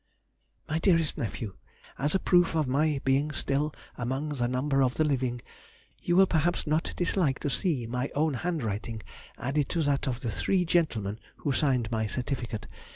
MY DEAREST NEPHEW,— As a proof of my being still among the number of the living, you will perhaps not dislike to see my own handwriting added to that of the three gentlemen who signed my certificate.